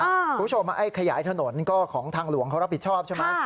ไอ้ขยายถนนก็ของทางหลวงเขารับผิดชอบใช่ไหม